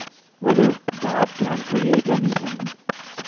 (2) Whether God can create anything?